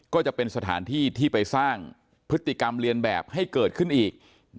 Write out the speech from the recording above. ก็จะเป็นสถานที่ที่ไปสร้างพฤติกรรมเรียนแบบให้เกิดขึ้นอีก